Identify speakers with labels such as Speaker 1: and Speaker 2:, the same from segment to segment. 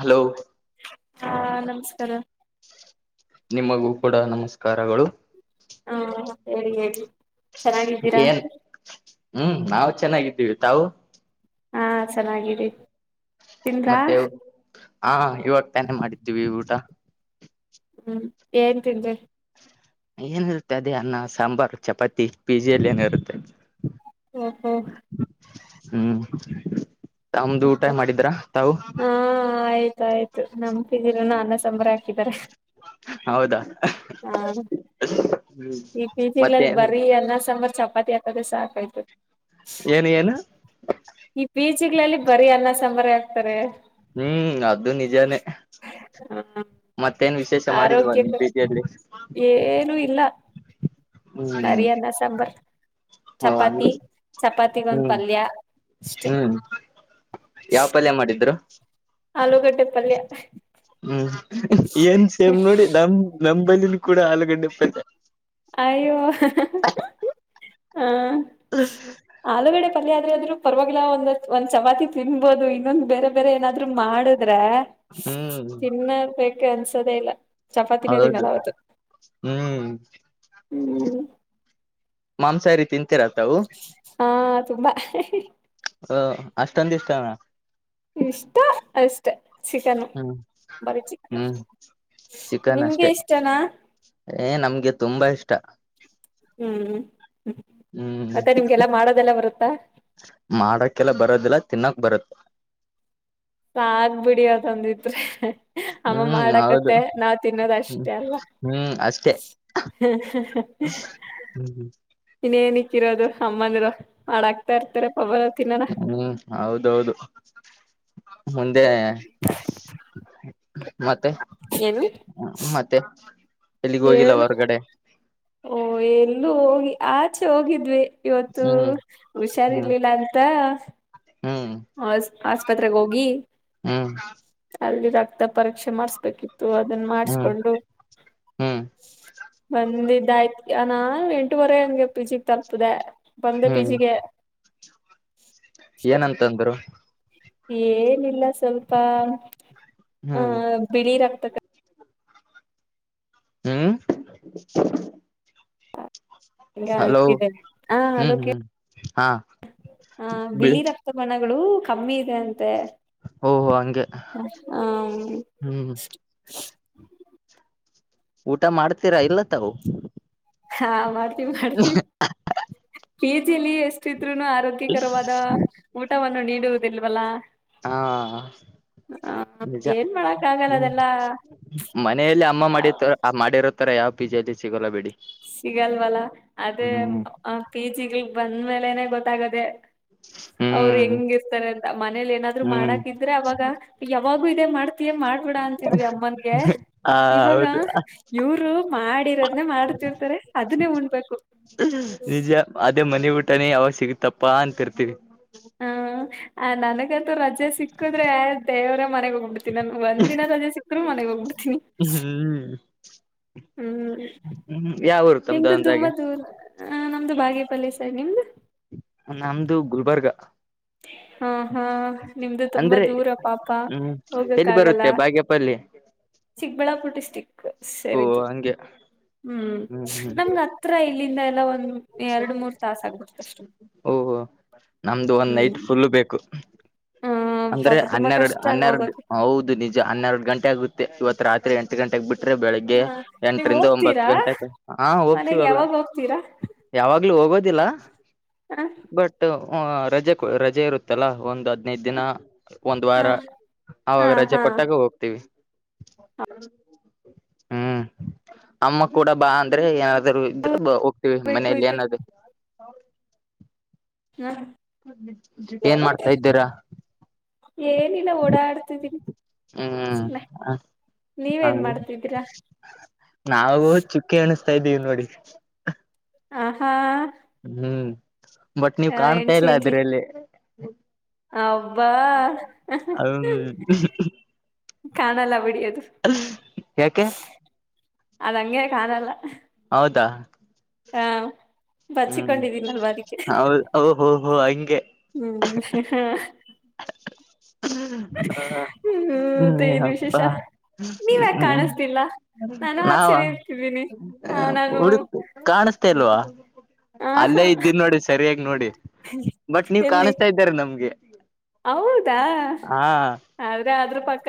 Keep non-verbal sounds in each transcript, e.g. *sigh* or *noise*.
Speaker 1: Hello
Speaker 2: ಹಾ ನಮಸ್ಕಾರ
Speaker 1: ನಿಮಗೂ ಕೂಡ ನಮಸ್ಕಾರಗಳು
Speaker 2: ಹಾ ಹೇಳಿ ಹೇಳಿ ಚೆನ್ನಾಗಿದ್ದೀರಾ
Speaker 1: ಏನ್ ಹ್ಮ್ ನಾವವು ಚೆನ್ನಾಗಿದ್ದೀವಿ ತಾವು
Speaker 2: ಹಾ ಚೆನ್ನಾಗಾಗಿದೆ
Speaker 1: ಮತ್ತೆ ಹಾ ಇವಾಗ ತಾನೆ ಮಾಡಿದ್ದೀವಿ ಊಟ
Speaker 2: ಹ್ಮ್ ಏನ್ ತಿಂದಿ
Speaker 1: ಏನಿರುತ್ತೆ ಅದೇ ಅನ್ನ ಸಾಂಬಾರ್ು ಚಪಾತಿ ಪೀಜಿಯಲ್ಲಿ ಏನಿರುತ್ತೆ
Speaker 2: ಓಹೋ
Speaker 1: ಹ್ಮ್ ತಮ್ದು ಊಟ
Speaker 2: ಅಷ್ಟೇ.
Speaker 1: ಮಾಡಿದ್ರ ತಾವು
Speaker 2: ಗ ಆಯ್ತು ನಮ್ ಕಪಿಜಿ ಯಲ್ಲಿ ನು ಅನ್ನ ಸಾಂಬಾರ್ ಹಾಕಿದಿದ್ದಾರೆ
Speaker 1: ಹೌದಾ ಹ್ಮ್
Speaker 2: ಈ
Speaker 1: ಮತ್ತೆ
Speaker 2: ಬೀಜಿಲಲ್ಲಿ ಬರೀ ಅನ್ನ ಸಾಂಬಾರ್ ಚಪಾತಿ ಹಾಕದ್ರೆ ಸಾಕಾಯ್ತು
Speaker 1: ಏನು ಏನು
Speaker 2: ಈಚಿಗಳಲ್ಲಿ ಬರಿೀ ಅನ್ನ ಸಂಂಬಾರಿ ಆಕ್ತಾರೆ
Speaker 1: ಹ್ಮ್ ಅದು ನಿಜಾನ
Speaker 2: ಹ
Speaker 1: ಮತ್ತೇನ್ ವಿಶೇಷ ಮಾಡಿದ್ಲ್ವಾ ನಿನ್
Speaker 2: ಆರೋಗ್ಯಕರ
Speaker 1: ಪ ಜಲ್ಲಿ
Speaker 2: ಮರಿಯನ್ನ ಸಾಂಬಾರ್
Speaker 1: ಹ ಹಂಗ
Speaker 2: ಚಪಾತಿ ಚಪಾತಿಗೊಂದ್
Speaker 1: ಹ್ಮ್
Speaker 2: ಪಲ್ಯ ಅಷ್ಟೆ
Speaker 1: ಹ್ಮ್ ಯಾವ ಪಲ್ಯ ಮಾಡಿದ್ರು
Speaker 2: ಆಲೂಗಡ್ಡೆ ಪಲ್ಯ
Speaker 1: ಹ್ಮ್ ಏನ್ ಸೇಮ್ ನೋಡಿ ನಮ ನಮಂಬಲಿನ ಕೂಡ ಆಲಗಡ್ಡೆಪ್ಪದೆ
Speaker 2: ಅಯ್ಯೋ ಹ ಆಲೂಗಡೆ ಪಲ್ಯ ಆದ್ರ ಆದ್ರರು ಪರವಾಗಿಲ್ಲ ಒಂದ ಒಂದ್ ಚಪಾತಿ ತಿನ್ಬೋದು ಇನ್ನೊಂದ್ ಬೇರೆ ಬೇರೆ ಏನಾದ್ರು ಮಾಡಿದ್ರೆ
Speaker 1: ಹ್ಮದು
Speaker 2: ತಿನ್ನರ್ಬೇಕ ಅನ್ಸೋದೇ ಇಲ್ಲ ಚಪಾತಿನೇ
Speaker 1: ಹೌದು
Speaker 2: ತಿನ್ನಲ್ಲ ಅವತ್ತು
Speaker 1: ಹ್ಮ್
Speaker 2: ಹ್ಮ್
Speaker 1: ಮಾಂಸಾಹಾರಿ ತಿಂತೀರತವು
Speaker 2: ತುಂಬ
Speaker 1: ಹ ಅಷ್ಟಂದುಂತಷ್ಟತಾನ
Speaker 2: ಇಷ್ಟ ಅಷ್ಟೆ ಚಿಕನು
Speaker 1: ಹ್ಮ್
Speaker 2: ಬರ ಚನ್ ಅ
Speaker 1: ಹ್ಮ್ ಚಿಕನ್
Speaker 2: ನಿಮಗೆ
Speaker 1: ಅಷ್ಟೇ
Speaker 2: ಇಷ್ಟನಾ
Speaker 1: ಏ ನಮ್ಗೆ ತುಂಬಾ ಇಷ್ಟ
Speaker 2: ಹ್ಮ್ ಹ್ಮ್
Speaker 1: ಹ್ಮ್
Speaker 2: ಮತ್ತೆ ನಿಮ್ಗೆಲ್ಲ ಮಾಡೋದೆಲ್ಲ ಬರುತ್ತ
Speaker 1: ನಗ ಬರತ್
Speaker 2: ಸಾಕ್ ಬಿಡಿ ಅದೊಂಧೀದ್ರೆ ಅಮ್ಮ
Speaker 1: ಹ್ಮ್ ಹೌದು
Speaker 2: ಮಾಡಾಕತ್ತೆ ನಾವ್ ತಿನ್ನೋದ
Speaker 1: ಹ್ಮ್
Speaker 2: ಅಷ್ಟೇ ಅಲ್ಲ
Speaker 1: ಹ್ಮ್ ಅಷ್ಟೇ
Speaker 2: ಹ್ಮ ಹ
Speaker 1: ಹ್ಮ್ ಹ್ಮ್
Speaker 2: ಇನ್ೇನಕ್ಕಿರೋದು ಅಮ್ಮಂದರು ಮಾಡಾಕ್ತಾ ಇರ್ತಾರೆ ಪಬಾರ ತಿನ್ನೋಣ
Speaker 1: ಹ್ಮ್ ಹೌದೌದು ಮುಂದೆ ಮತ್ತೆ
Speaker 2: ಏನು
Speaker 1: ಮತ್ತೆ ಎಲ್ಲಿಗ್ ಹೋಗಿಲ್ಲ
Speaker 2: ಹೇಳು
Speaker 1: ಹೊರ್ಗಡೆ
Speaker 2: ಓ ಎಲ್ಲೂ ಹೋಗಿ ಆಚೆ ಹೋಗಿದ್ವಿ ಇವತ್ತು
Speaker 1: ಹ್ಮ್
Speaker 2: ಹುಷಾರ್
Speaker 1: ಹ್ಮ್
Speaker 2: ಇರ್ಲಿಲ್ಲ ಅಂತ
Speaker 1: ಹ್ಮ್
Speaker 2: ಆ ಆಸ್ಪತ್ರೆಗೆ ಹೋಗಿ
Speaker 1: ಹ್ಮ್
Speaker 2: ಅಲ್ಲಿ ರಕ್ತ ಪರೀಕ್ಷೆ ಮಾಡಸ್ಬೇಕಿತ್ತು ಅದನ್ನ
Speaker 1: ಹ್ಮ್
Speaker 2: ಮಾಡಸ್ಕೊಂಡು
Speaker 1: ಹ್ಮ್
Speaker 2: ಬಂದಿದ್ದ ಾಯ್ತ ಅ ನ ಎಂಟುವರೆ ಹಂಗೆ ಪಿ ಜಿ ತಲುಪದೆ ಬಂದೆ ಪಿ ಜಿಗೆ ಅಷ್ಟೆ
Speaker 1: ಏನಂತಂದರು
Speaker 2: ಏನಿಲ್ಲ ಸ್ವಲ್ಪ ಆ
Speaker 1: ಹ್ಮ್
Speaker 2: ಬಿಳಿ ರಕ್ತ
Speaker 1: ಹ್ಮ್
Speaker 2: ಕಡ್ಮೆ
Speaker 1: ಹಲೋ
Speaker 2: ಆಗ್ತಿದೆ ಹಲೋ
Speaker 1: ಹ್ಮ್
Speaker 2: ಕೇಳ್
Speaker 1: ಹ್ಮ್ ಹಾ
Speaker 2: ಹ ಬಿಳಿ ರಕ್ತ ಬಣ್ಣ ಗಳು ಕಮ್ಮಿ ಇದೆ ಅಂತ
Speaker 1: ಓಹೋ ಹಂಗೆ
Speaker 2: ತ್ತ ಹ್ಮ
Speaker 1: ಹ್ಮ್ ಊಟ ಮಾಡ್ತೀರಾ ಇಲ್ಲತ್ತವು
Speaker 2: ಹಾ ಮಾಡ್ತಿವಿ ಮಾಡ್ತೀವಿ ಲ್ಲಿ ಎಷ್ಟಿದ್ರುನು ಆರೋಗ್ಯಕರವಾದ ಊಟವನ್ನು ನೀಡುವುದಿಲ್ವಲ್ಲಾ
Speaker 1: ಹಾ ನಿಜ
Speaker 2: ಏನ್ ಮಾಡಕ್ ಆಗಲ್ಲ
Speaker 1: ಹ್ಮ
Speaker 2: ಅದೆಲ್ಲಾ
Speaker 1: ಮನೆಯಲ್ಲಿ ಅಮ್ಮ ಮಾಡಿತ ಮಾಡಿರ ತತ್ತರ ಯಾವ ಪಿಜಿ ಅಲ್ಲಿ ಸಿಗೋಲ್ಲ ಬಿೇಡಿ
Speaker 2: ಸಿಗಲ್ವಲ್ಲ ಅದೇ ಪಿ ಜಿಗಳ ಬಂದ್ಮೇಲೆನೆ ಗೊತ್ತಾಗದೆ *inaudible* ಅವರು
Speaker 1: ಹ್ಮ್
Speaker 2: ಹೆಂಗ ಇರ್ತಾರೆ ಅಂತ ಮನೇಲಿ ಏನಾದ್ರು
Speaker 1: ಹ್ಮ್
Speaker 2: ಮಾಡಾಕಿದ್ರೆ ಅವಾಗ ಯಾವಾಗೂ ಇದೇ ಮಾಡ್ತೀಯ ಮಾಡ್ಬೇಡ ಅಂತಾಇದ್ವಿ ಅಮ್ಮನ್ಗೆ
Speaker 1: ಹ
Speaker 2: ಇವಾಗ
Speaker 1: ಹೌದು
Speaker 2: ಇವ್ರು ಮಾಡಿರೋದನ್ನೇ
Speaker 1: ನಿಜ ೇ ಮನೆಿ ಊಟನೇ ಯಾವಾಗ ಸಿಗುತ್ತಪ್ಪಾ ಅಂತಿರ್ತಿೀವಿ
Speaker 2: ಹ್ಮ ನನಗೆ ರಜೆ ಸಿಕ್ಕಿದ್ರೆ ದೇವ್ರ ಮನೆಗ್ ಹೋಗ್ಬಿಡ್ತಿನಿ ನಾನನ್ ಒಂದ್ಿನ ರಜೆ ಸಿಕ್ಕಿದ್ರು ಮನೆಗ್ ಹೋಗ್ಬಿಡ್ತೀನಿ
Speaker 1: ಹ್ಮ್
Speaker 2: ಹೂಊ
Speaker 1: ಹ್ಮ್ ಯಾವರು ತಮ್ದು
Speaker 2: ನಿಮ್ದ್ ತುಂಬಾ
Speaker 1: ಅಂದಾಗೆ
Speaker 2: ದೂರ ಅ ನಮ್ದು ಬಾಗೇಪಲ್ಲಿ ನಿಿಂದ
Speaker 1: ನಮ್ದು ಗುಲ್ಬರ್ಗ
Speaker 2: ಹಾ ಹಾ ನಿಮ್ದು ತುಂಬಾ
Speaker 1: ಅಂದ್ರೆ
Speaker 2: ದೂರ ಪಾಪ
Speaker 1: ಹ್ಮ್
Speaker 2: ಹೋಗಕ್
Speaker 1: ಎಲ್ಲಿ
Speaker 2: ಆಾಗಲ್ಲ
Speaker 1: ಬರುತ್ತೆ ಬಾಗ್ಯಪಲ್ಲಿ
Speaker 2: ಚಿಕ್ಕಬಳ್ಳಾಪುರ ಡಿಸ್ಟ್ರಿಕ್
Speaker 1: ಓ
Speaker 2: ಸರಿಿದು
Speaker 1: ಹಂಗೆ
Speaker 2: ಹ್ಮ್ ನಮಗ ಹತ್ರ ಇಲ್ಲಿಂದ ಎಲ್ಲ ಒಂದ್ ಎರಡು ಮೂರ್ ತಾಸ ಆಗ್ಬಿಡ್ತಷ್ಟೆ
Speaker 1: ನಮ್ದು ಒಂದ್ ನೈಟ್ ಫುಲ್ಲ ಬೇಕು
Speaker 2: ಹ್ಮ
Speaker 1: ಅಂದ್ರೆ
Speaker 2: ಪಾಪ ತುಂಬಾ
Speaker 1: ಹನ್ನೆರಡು
Speaker 2: ಕಷ್ಟ ಅಲ್
Speaker 1: ಹನ್ನೆರಡು
Speaker 2: ಹೋಗಕ್ಕೆ
Speaker 1: ಹೌದು ನಿಜ ಹನ್ನೆರಡು ಗಂಟೆ ಆಗುತ್ತೆ ಇವತ್ತು ರಾತ್ರಿ ಎಂಟು ಗಂಟೆಗೆ ಬಿಟ್ಟು ೆ ಬೆಳಿಗ್ಗೆ
Speaker 2: ಹ ನೀವ್
Speaker 1: ಎಂಟರಿಂದ ಒಂಬತ್ತು
Speaker 2: ಹೋಗ್ತೀರಾ
Speaker 1: ಗಂಟೆ ಹಾ
Speaker 2: ಮನೆಗ್
Speaker 1: ಹೋಗ್ತೀವಲ್ಲ
Speaker 2: ಯಾವಾಗ ಹೋಗ್ತೀರಾ
Speaker 1: ಯಾವಾಗ್ಲೂ ಹೋಗೋದು
Speaker 2: ಹ
Speaker 1: ಬಟ್ ರಜೆ ರಜೆ ಇರುತ್ತಲ್ಲ ಒಂದು ಹದ್ಿನೈದು ದಿನ ಒಂದ್
Speaker 2: ಹ
Speaker 1: ವಾರ ಅವಾಗ
Speaker 2: ಹಾ
Speaker 1: ರಜೆ
Speaker 2: ಹಾ
Speaker 1: ಕೊಟ್ಟಾಗ ಹೋಗ್ತೀವಿ ಹ್ಮ್ ಅಮ್ಮ ಕೂಡ ಬಾ ಅಂದ್ರೆ ಏನ ಇದ್ರ ಹೋಗ್ತವಿ
Speaker 2: ಬೇಕು
Speaker 1: ಮನೆಯಲ್ಲಿ
Speaker 2: ಇದ
Speaker 1: ಏನಾದ
Speaker 2: ಹ
Speaker 1: ಏನ್ ಮಾಡ್ತಾ ಇದ್ದೀರಾ
Speaker 2: ಏನಿಲ್ಲ ಓಡಾಡ್ತಿದ್ದೀನಿ
Speaker 1: ಹ್ಮ್ ಹಾಗ
Speaker 2: ನೀವೇನ್ ಮಾಡ್ತಿದ್ದೀರಾ
Speaker 1: ನಾವವುೂ ಚುಕ್ಕೆ ಅಣಿಸ್ತಾ ಇದ್ದೀವಿ ನೋಡಿ
Speaker 2: ಆ ಹಾ
Speaker 1: ಹ್ಮ್ ಬಟ್ ನೀವ್ ಕಾಣ್ತಾ ಇಲ್ಲ ಅದ್ರಲ್ಲಿ
Speaker 2: ಅವಬಾ
Speaker 1: ಹ್ಮ್
Speaker 2: ಕಾಣಲ್ಲ ಬಿಡಿ ಅದು
Speaker 1: ಯಾಕೆ
Speaker 2: ಅದಂಗೆ ಕಾಣಲ್ಲ
Speaker 1: ಹೌದಾ
Speaker 2: ಹಾ
Speaker 1: ಹ್ಮ್ ಹದ ಹೋ ಹೋ ಹಂಗೆ
Speaker 2: ಹ್ಮ್
Speaker 1: ಹ
Speaker 2: ಹ್ಮ ಮತ್ತೆ
Speaker 1: ಹ್ಮ್
Speaker 2: ಏನ್
Speaker 1: ಹಬ್ಮ
Speaker 2: ವಿಶೇಷ ನೀವ್ ಯಾಕ್
Speaker 1: ಹ್ಮ್
Speaker 2: ಕಾಣಿಸ್ತಿಲ್ಲ ನಾನು
Speaker 1: ನಾವ
Speaker 2: ಆಚೆನೆ ಇರ್ತಿದ್ದೀನಿ ಆ ನಾನು
Speaker 1: ಹುಡುಕ್ ಕಾಣಸ್ತೇಲ್ವಾ
Speaker 2: ಆ
Speaker 1: ಅಲ್ಲೇ ಇದ್ದೀನಿ ನೋಡಿ ಸರಿಯಾಗಿ ನೋಡಿ ಬಟ್ ನೀವ್
Speaker 2: ಎಲ್ಲಿ
Speaker 1: ಕಾಣಸ್ತಾ ಇದ್ದಾರೆ ನಮ್ಗೆ
Speaker 2: ಹೌದಾ
Speaker 1: ಹಾ
Speaker 2: ಆದ್ರೆ ಅ್ರ ಪಕ್ಕ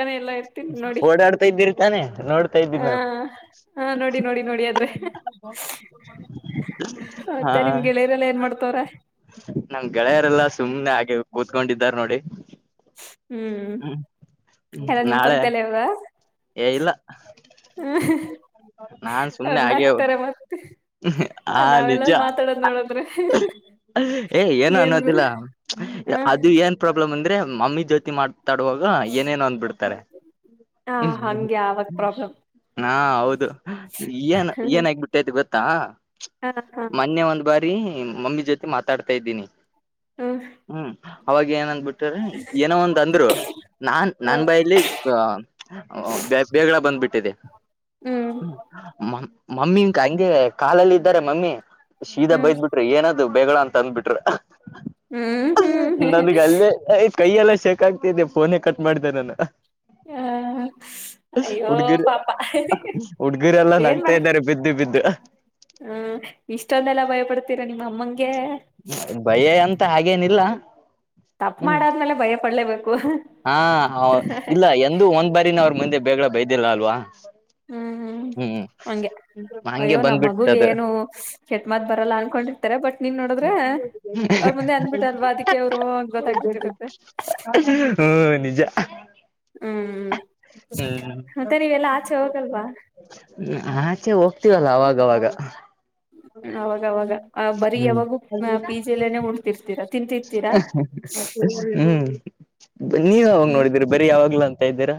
Speaker 1: ಓಡಾಡ್ತಾ ಇದ್ದೀರಿ ತಾನೆ ನೋಡ್ತಾ ಇದ್ದಿ
Speaker 2: ಹ
Speaker 1: ನವು್
Speaker 2: ಹ ನೋಡಿ ನೋಡಿ ನೋಡಿ ಆದ್ರೆ
Speaker 1: ಹಾ
Speaker 2: ಮತ್ತೆ ನಿಮ್ ಗೆಳೆಯರೆಲ್ಲ ಏನ್ ಮಾಡ್ತವ್ರ
Speaker 1: ನಂಗ್ ಗೆಳೆಯರೆಲ್ಲಾ ಸುಮ್ನೆ ಹಾಗೆ ಕೂತ್ಕೊಂಡಾರ್ ನೋಡಿ
Speaker 2: ಹ್ಮ್ ಎಲ್ಲ ನಿಮ
Speaker 1: ನಾಳೆ
Speaker 2: ಪಕ್ತಲ್ಲ ಅದ
Speaker 1: ಏ ಇಲ್ಲ
Speaker 2: ಹ್ಮ
Speaker 1: ನಾನ್ ಸುಮ್ನೆ
Speaker 2: ಅವನ್ನ
Speaker 1: ಹಾಗೆ
Speaker 2: ಹಕ್ತಾರೆ ಮತ್ತೆ
Speaker 1: ಹಾ
Speaker 2: ನಾವೆಲ್ಲ
Speaker 1: ನಿಜ
Speaker 2: ಮಾತಾಡೋದ್ ನೋಡದ್ರೆ
Speaker 1: ಏ ಏನು
Speaker 2: ಏನ್ ಗುರು
Speaker 1: ಅನ್ನೋದಿಲ್ಲ
Speaker 2: ಹ
Speaker 1: ಅದು ಏನ್ ಪ್ರಾಬ್ಲಮ್ ಅಂದ್ರೆ ಮಮ್ಮಿ ಜ್ಯೋತಿ ಮಾಡ್ ತಡುವಾಗ ಏನೇನು ಅಂದ್ಬಿಡ್ತಾರೆ
Speaker 2: ಹ
Speaker 1: ಹ್ಮ್
Speaker 2: ಹಂಗೆ ಆವಾಗ ಪ್ರಾಬ್ಲಮ್
Speaker 1: ಹ್ಮ ಹಾ ಹೌದು ಏನ್ ಏನಾಗಬಿಟ್ಟೈತೆ ಗೊತ್ತಾ
Speaker 2: ಹ ಹ
Speaker 1: ಮೊನ್ನೆ ಒಂದ್ ಬಾರಿ ಮಮ್ಮಿ ಜೊತೆ ಮಾತಾಡ್ತಾ ಇದ್ದೀನಿ
Speaker 2: ಹ್ಮ
Speaker 1: ಹ್ಮ್ ಅವಾಗ ಏನಂದಬ ಬಿಟ್ಟ್ರ ಏನೋ ಒಂದ ಅಂದ್ರು ನಾನ್ ನನ್ ಬಾಯಲ್ಲಿ ಬೇಳ ಬಂದ್ಬಿಟ್ಟಿದೆ
Speaker 2: ಹ್ಮ್
Speaker 1: ಹ್ಮ ಮ ಮಮ್ಮಿಕ ಹಂಗೆ ಕಾಲಲ್ಲ ಇದಾರೆ ಮಮ್ಮಿ ಶೀದಾ
Speaker 2: ಹ್ಮ್
Speaker 1: ಬೈದ್ ಬಿಟ್ರಿ ಏನಾದ ದು ಬೇಗಳ ಅಂತ ಅಂದ್ಬಿಟ್ರ
Speaker 2: ಹ್ಮ್ ಹ್ಮ್
Speaker 1: ನನ್ಗ ಅಲ್ಲೇ ಕೈಯೆಲ್ಲ ಶಕ್ಾಗ್ತಿದ್ದೆ ಫೋನೇ ಕಟ್ ಮಾಡ್ದ ನಾನ
Speaker 2: ಹಾ ಅಯ್ಯೋ
Speaker 1: ಹುಡ್ಗಿರ್
Speaker 2: ಪಾಪ
Speaker 1: ಹುಡ್ಗಿರೆಲ್ಲಾ
Speaker 2: ಏನ್
Speaker 1: ನಗ್ತಾ
Speaker 2: ಮಾಡ
Speaker 1: ಇದ್ದಾರೆ ಬಿದ್ದು ಬಿದ್ದು
Speaker 2: ಹ್ಮ ಇಷ್ಟೊಂದೆಲ್ಲ ಭಯಪಡ್ತೀರಾ ನಿಮ್ಮ ಅಮ್ಮಂಗೆ
Speaker 1: ಏನಿಲ್ಲ
Speaker 2: ತಪ್ಪ ಮಾಡಾದ್ಮೇಲೆ ಭಯ ಪಡ್ಲೇವ
Speaker 1: ಹಾ ಇಲ್ಲ ಎಂದ ಒಂದ್ ಬಾರಿನ ಅವ್ರ ಮುಂದೆ ಬೇಗಡ ಬೈದಿಿಲ್ಲ ಅಲ್ವಾ ಹ್ಮ್
Speaker 2: ಹಂಗೆ
Speaker 1: ಹಂಗೆ
Speaker 2: ಅಯ್ಯೋ ನಮ್ಮ ಮಗುಗೆ
Speaker 1: ಬಂದ್ಬಿಟ್ಟದ
Speaker 2: ಏನು ಕೆಟ್ಟ್ಮತ್ ಬರಲ್ಲ ಅನ್ಕೊಂಡಿರ್ತಾರೆ ಬಟ್ ನೀನ್ ನೋಡದ್ರೆ ಅವ್ರ ಮುಂದೆ ಅಂದ್ಬಿಟ್ಟಲ್ವಾ ಅದಕ್ಕೆ ಅವರು ಹಂಗ ಗೊತ್ತಾಗಬೊತ್ತಿರುತ್ತೆ
Speaker 1: ಹ್ಮ್ ನಿಜ ಹ್ಮ
Speaker 2: ಮತ್ತೆ ನೀವೆಲ್ಲಾ ಆಚೆ ಹೋಗಲ್ವಾ
Speaker 1: ಹ್ಮ ಆಚೆ ಹೋಗ್ತೀವಲ್ಲ ಅವಾಗವಾಗ
Speaker 2: ಅವಾಗವಾಗ ಬರೀ
Speaker 1: ಹ್ಮ
Speaker 2: ಯಾವಾಗೂ ಪಿ ಜಿಲೇನೆ ಉಣ್ತಿರ್ತೀರಾ ತಿಂತಿರ್ತೀರಾ
Speaker 1: ಹ್ಮ್ ನೀವ್ ಯಾವಾಗ
Speaker 2: ಹ್ಮ್
Speaker 1: ನೋಡಿದೀರಿ ಬರೀ ಯಾವಾಗ್ಲ ಅಂತ ಇದ್ದೀರಾ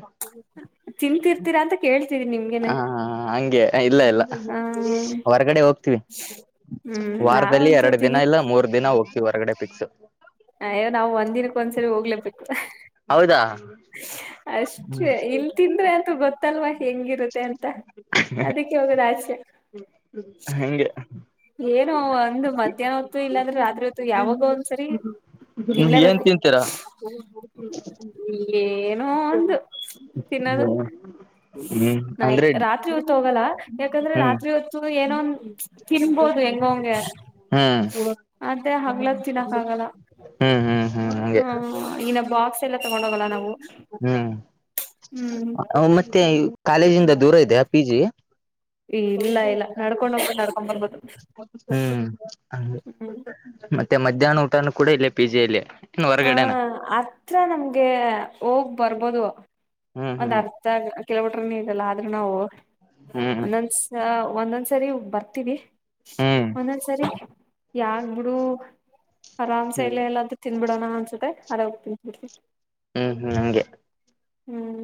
Speaker 2: ತಿಂತಿರ್ತೀರಾ ಅಂತ ಕೇಳ್ತೀರಿ ನಿಮ್ಗೆನೆ
Speaker 1: ಹ ಹ ಹಂಗೆ ಇಲ್ಲ ಇಲ್ಲ
Speaker 2: ಹ್ಮ
Speaker 1: ಹೊರಗಡೆ ಹೋಗ್ತವಿ
Speaker 2: ಹ್ಮ್
Speaker 1: ವಾರದಲ್ಲಿ
Speaker 2: ನಾವಂತೂ
Speaker 1: ಎರಡು ದಿನ
Speaker 2: ತಿನಿ
Speaker 1: ಇಲ್ಲ ಮೂರ್ ದಿನ ಹೋಗ್ತೀವಿ ಹೊರಗಡೆ ಪಫಿಕ್ಸ್
Speaker 2: ಹ ಯೋ ನಾವು ಒಂದ್ ದಿನಕ್ಕ ಒಂದ್ಸರಿ ಹೋಗ್ಲೇಬೇಕ
Speaker 1: ಹೌದಾ
Speaker 2: ಹ ಅಷ್ಟೇ ಇಲ್ ತಿಂದ್ರೆ ಅಂತ ಗೊತ್ತಲ್ವಾ ಹೆಂಗಿರುತ್ತೆ ಅಂತ ಅದಕ್ಕೆ ಹೋಗದ್ ಆಚೆ
Speaker 1: ಹಗೆ
Speaker 2: ಏನು ಒಂದು ಮಧ್ಯಾಹ್ನ ಹೊತ್ತು ಇಲ್ಲಾಂದ್ರೆ ರಾತ್ರಿ ಹೊತ್ತು ಯಾವಾಗ ಒಂದ್ ಸರಿ
Speaker 1: ಹ್ಮ ಏನ್ ತಿಂತೀರಾ
Speaker 2: ಏನೋ ಒಂದು ತಿನ್ನೋದು
Speaker 1: ಹ್ಮ್
Speaker 2: ನಿ
Speaker 1: ಅಂದ್ರೆ
Speaker 2: ರಾತ್ರಿ ಹೊತ್ತು ಹೋಗಲ್ಲ ಯಾಕಂದ್ರೆ
Speaker 1: ಹ್ಮ್
Speaker 2: ರಾತ್ರಿ ಹೊತ್ತು ಏನೋ ತಿನ್ಬೋದು ಹೆಂಗಂ
Speaker 1: ಹ್ಮ್
Speaker 2: ಅ ಹ ಿನಕ್ಕೆ ಆಲ್ಲ
Speaker 1: ಹ್ಮ್ ಹ್ಮ್ ಹ್ಮ್ ಹಂಗೆ
Speaker 2: ಹ ಇನ್ನ ಬಾಕ್ಸ್ ಎಲ್ಲ ತಗೊಂಡೋಗಲ್ಲ ನ
Speaker 1: ಹ್ಮ್ ಮತ್ತೆ ಕಾಲೇಜ ದೂರ ಇದೆೆಯಾ ಪಿ ಜಿ ಹ
Speaker 2: ಇಲ್ಲ ಇಲ್ಲ ನಡ್ಕೊಂಡ್ ಹೋಗ್ಬು ನಡ್ಕೊಂಡ್ ಬರ್ಬೋದು
Speaker 1: ಹ
Speaker 2: ಹ್ಮ್
Speaker 1: ಮತ್ತೆ ಮಧ್ಯಾಹ್ನ ಊಟನೂ ಕೂಡ ಇಲ್ಲೇ ಪಿಜಿಲ್ಲಿ
Speaker 2: ಹ ಹತ್ರ ನಮ್ಗೆ ಹೋಗ್ ಬರ್ಬೋದು
Speaker 1: ಹ್ಮ್
Speaker 2: ಒಂದ್
Speaker 1: ಹ್ಮ್
Speaker 2: ಅರ್ಥ ಕಿಲೋಬೀಟ್ರ ನೀ ಇಲ್ಲ ಆದ್ರೂ ನಾವು
Speaker 1: ಹ್ಮ್
Speaker 2: ಒಂದೊಂದ್ಸ ಒಂದೊಂದ್ಸರಿ ಬರ್ತೀವಿ
Speaker 1: ಹ್ಮ್ ಹ್ಮ್
Speaker 2: ಒಂದೊಂದ್ಸರಿ ಯಾಾಗ್ ಬಿಡು ಆರಾಮ್ಸ
Speaker 1: ಹ್ಮ್
Speaker 2: ಇಲ್ಲ ಎಲ್ಲಂತ ತಿನ್ಬಿಡೋಣ ಅನ್ಸುತ್ತೆ ಅದೋಗ್ ತಿನ್ಬಿಡ್ಿ
Speaker 1: ಹ್ಮ್ ಹ್ಮ್ ನಂಗೆ
Speaker 2: ಹ್ಮ್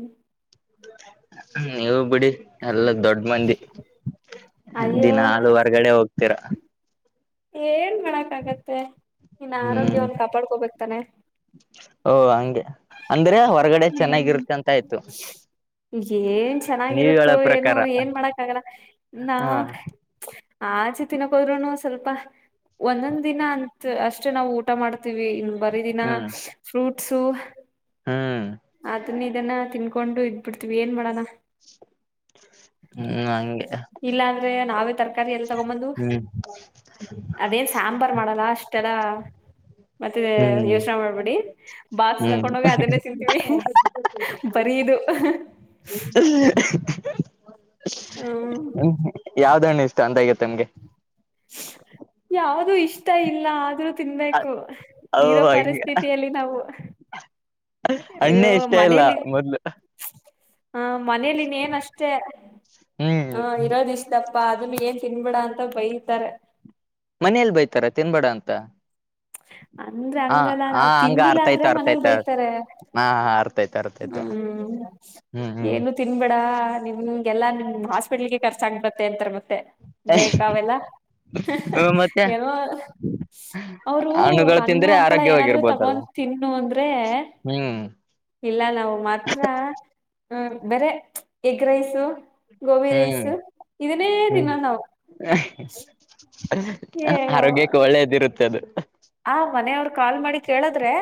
Speaker 1: ಹ ನೀವು ಬಿಡಿ ಎಲ್ಲ ದೊಡ್ಡ ಮಂದಿ
Speaker 2: ಅಯ್ಯೋ
Speaker 1: ದಿನಲ್ುವರ್ಗಡೆ ಹೋಗ್ತೀರ
Speaker 2: ಏನ್ ಮಾಡಕ ಆಾಗತ್ತೆ ನಿನ್ನ
Speaker 1: ಹ್ಮ್
Speaker 2: ಆರೋಗ್ಯವವನ್ನು ಕಾಪಾಡ್ಕೋಬೇಕಕ್ತಾನೆ
Speaker 1: ಓ ಹಂಗೆ ಅಂದ್ರೆ ಹೊರಗಡೆ
Speaker 2: ಹ್ಮ್
Speaker 1: ಚೆನ್ನಾಗಿರುತ್ತೆ ಅಂತ ಆಯ್ತು
Speaker 2: ಏನ್
Speaker 1: ನೀವ್
Speaker 2: ಚೆನ್ನಾಗಿರುತ್ತೋ
Speaker 1: ಹೇಳೋ
Speaker 2: ಏನು
Speaker 1: ಪ್ರಕಾರ
Speaker 2: ಏನ್ ಮಾಡಕ್ಕ ಆಗಲ್ಲ ನಾ
Speaker 1: ಹ
Speaker 2: ಆಚೆ ತಿನ್ನಕೋದ್ರುೂನು ಸ್ವಲ್ಪ ಒಂದೊಂದ್ ದಿನ ಅಂತ ಅಷ್ಟು ನಾವು ಊಟ ಮಾಡ ಇನ್ನು ಬರ ದಿನ
Speaker 1: ಹ್ಮ್
Speaker 2: ಫ್ರೂಟ್ಸ
Speaker 1: ಹ್ಮ್
Speaker 2: ಅದನ್ನ ಇದನ್ನ ತಿನ್ಕೊಂಡು ಇದ್ಬಿಡ್ತೀವಿ ಏನ್ ಮಾಡಣ.
Speaker 1: ಹ್ಮ್ ಹಂಗೆ
Speaker 2: ಇಲ್ಲಾ ಅಂದ್ರೆ ನಾವೇ ತರಕಾರಿ ಎಲ್ಲ ತಗೊಂಬಂದು
Speaker 1: ಹ್ಮ್
Speaker 2: ಅದೇನ್ ಸಾಂಬಾರ್ ಮಾಡಲ್ಲ ಅಷ್ಟ ಮ ಮತ್ತೆ
Speaker 1: ಹ್ಮ್
Speaker 2: ಯೋಚನೆ ಮಾಡ್ಬಿಡಿ ಬಾಕ್ಸ್
Speaker 1: ಹ್ಮ್
Speaker 2: ಹಾಕೊಂಡೋಗಿ ಅದನ್ನೇ ಬರದು
Speaker 1: ಯಾವ್ದ ಹಣ್ಣು ಇಷ್ಟ ಅಂತಗತ್ತೆ ನಿಮ್ಗೆ
Speaker 2: ಯಾವ್ದೂ ಇಷ್ಟ ಇಲ್ಲ ಆದ್ರೂ ತಿನ್ಬೇಕು
Speaker 1: ಓ
Speaker 2: ಇರೋ
Speaker 1: ಹಂಗೆ
Speaker 2: ಪರಿಸ್ಥಿತಿಯಲ್ಲಿ ನಾವು ಅಯ್ಯೋ
Speaker 1: ಹಣ್ಣೆ ಇಷ್ಟ ಇಲ್ಲ
Speaker 2: ಮನೇೆಯಲ್ಲಿ
Speaker 1: ಮೊದ್ಲು
Speaker 2: ಹಾ ಮನೇಲಿ ಇನೇನು ಅಷ್ಟೇ
Speaker 1: ಹ್ಮ್
Speaker 2: ಹ ಇರೋದ ಇಷ್ಟ ಆ ಅದನ್ನು ಏನ್ ತಿನ್ಬೇಡ ಅಂತ ಬೈತಾರೆ
Speaker 1: ಮನೇಲ್ ಬೈತಾರ ತಿನ್ಬೇಡ ಅಂತ
Speaker 2: ಅಂದ್ರ
Speaker 1: ಹ
Speaker 2: ಹಂಗಲ್ಲ
Speaker 1: ಹಾ
Speaker 2: ನಾವ್
Speaker 1: ಹಂಗ
Speaker 2: ತಿಂದಿಲ್ಲ
Speaker 1: ಅರ್ಥ ಆಯ್ತು
Speaker 2: ಅಂದ್ರೆ
Speaker 1: ಅರ್ಥ
Speaker 2: ಮನೇಲ್
Speaker 1: ಆಯ್ತ
Speaker 2: ಬೈತಾರೆ
Speaker 1: ಹಾ ಹಾ ಅರ್ಥ ಆಯ್ತು ಅರ್ಥ ಆಯ್ತು
Speaker 2: ಹ್ಮ್
Speaker 1: ಹ್ಮ್ ಹ್ಮ್
Speaker 2: ಏನು ತಿನ್ಬೇಡ ನೀಮ ಎಲ್ಲಾ ನಿಮ್ ಹಾಸ್ಪಿಟ್ಲ್ಗೆ ಕರ್ಚು ಆಗ್ಬಡತ್ತೆ ಅಂತಾರ ಮತ್ತೆ ಬೇಕ ಅವೆಲ್ಲ ಹ
Speaker 1: ಮತ್ತೆ
Speaker 2: ಏನೋ ಅವರು
Speaker 1: ಹಣ್ಣುಗಳು
Speaker 2: ಹಣ್ಣು
Speaker 1: ತಿಂದ್ರೆ
Speaker 2: ಹಪ್ಪಳ ಏನಾದ್ರರು ತಗೊಂಡ
Speaker 1: ಆರೋಗ್ಯವಾಗಿರ್ಬೋದಲ್ವಾ
Speaker 2: ತಿನ್ನು ಅಂದ್ರೆ
Speaker 1: ಹ್ಮ್
Speaker 2: ಇಲ್ಲ ನಾವು ಮಾತ್ರ ಬರೆ ಎಗ್ ರೈಸು ಗೋಬಿ ರೈಸ್
Speaker 1: ಹ್ಮ್
Speaker 2: ಇದಾನೆ
Speaker 1: ಹ್ಮ್
Speaker 2: ತಿನ್ನಂದವು
Speaker 1: ಆರೋಗ್ಯಕ್ಕೆ ಒಳ್ಳೇದಿರುತ್ತೆ ಅದು
Speaker 2: ಆ ಮನೆಯವ್ರರು ಕಾಲ್ ಮಾಡಿ ಕೇಳದ್ರೆ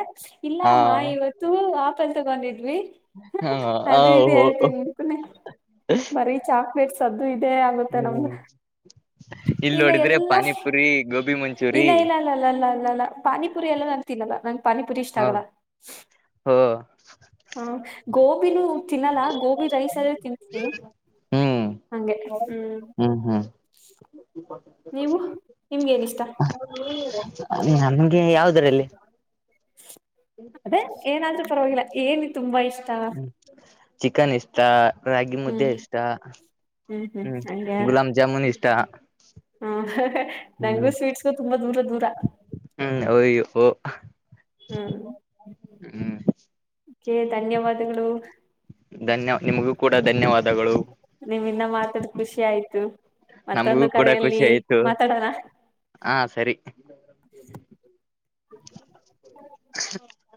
Speaker 2: ಇಲ್ಲ
Speaker 1: ಹಾ
Speaker 2: ಅಮ್ಮ ಇವತ್ತು ಆಪಲ್ ತಗೊಂಡಿದಿ
Speaker 1: ಹಾ ಆ,
Speaker 2: ಅದು ಇ
Speaker 1: ಹೋ
Speaker 2: ಹೇಳ್ತೀಕ ಬರೀ ಚಾಕ್ಲೇಟ್ ಆಗುತ್ತೆ ನಮ್ದ
Speaker 1: ಹ್ಮ್ ಇಲ್ಲಿ
Speaker 2: ಇನ್ನು
Speaker 1: ನೋಡಿದ್ರೆ
Speaker 2: ಎಲ್ಲ
Speaker 1: ಪಾನಿಪುರಿ ಗೋಬಿ ಮಂಚೂರಿ
Speaker 2: ಇಲ್ಲ ಇಲ್ಲ ಅಲ್ಲ ಅಲ್ಲ ಅಲ್ಲ ಪಾನಿಪುರಿ ಎಲ್ಲ ನಾನು ತಿನ್ನಲ್ಲ ನಂಗೆ ಪಾನಿಪುರಿ ಇಷ್ಟ
Speaker 1: ಹ
Speaker 2: ಆಗಲ್ಲ *inaudible*
Speaker 1: ಹೋ
Speaker 2: ಹಾ ಗೋಬಿನೂ ತಿನ್ನಲ್ಲಾ ಗೋಬಿ ರೈಸ್ ಆದ್ರೆ ತಿನ್ತೀನಿ
Speaker 1: ಹ್ಮ್
Speaker 2: ಹಂಗೆ ಹ್ಮ್ *inaudible* ನೀವು ನಿಮ್ಗೇನ್ ಇಷ್ಟ
Speaker 1: *inaudible* ನಮಗೆ ಯಾವುದರಲ್ಲಿ
Speaker 2: ಅದೇ ಏನಾದ್ರೂ ಪರವಾಗಿಲ್ಲ ಏನ ತುಂಬಾ ಇಷ್ಟ
Speaker 1: ಹ್ಮ ಚಿಕನ್ ಇಷ್ಟ ರಾಗಿ
Speaker 2: ಹ್ಮ್
Speaker 1: ಮುದ್ದೆ ಇಷ್ಟ ಹ್ಮ್ ಗುಲಾಬ್ ಜಾಮೂನ್ ಇಷ್ಟ
Speaker 2: ಹ್ಮ
Speaker 1: ಹ್ಮ್
Speaker 2: ನಂಗೂ ಸ್ವೀಟ್ಸ್ಗ ತುಂಬಾ ದೂರ ದೂರ *inaudible*
Speaker 1: ಹ್ಮ್ ಅಯ್ಯೋ
Speaker 2: ಹ್ಮ್
Speaker 1: ಹ್ಮ್
Speaker 2: ೆ *inaudible* ಧನ್ಯವಾದಗಳು
Speaker 1: ಧನ್ಯ ನಿಮಗೂ ಕೂಡ ಧನ್ಯವಾದಗಳು
Speaker 2: ನಿಮ್ಮ ಇಂದ ಮಾತಾಡ ಖುಷಿ ಆಯ್ತು
Speaker 1: ನಮಗೂ
Speaker 2: ಮತ್ತೊಂದು
Speaker 1: ಕೂಡ ಖುಷಿ
Speaker 2: ಕರೆಯಲ್ಲಿ
Speaker 1: ಆಯ್ತು
Speaker 2: ಮಾತಾಡೋಣ *inaudible* *inaudible*
Speaker 1: ಹಾ ಸರಿ *inaudible*
Speaker 2: ಹ *inaudible*